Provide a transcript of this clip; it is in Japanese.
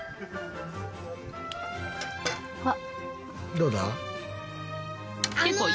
どうだ？